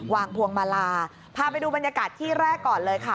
พวงมาลาพาไปดูบรรยากาศที่แรกก่อนเลยค่ะ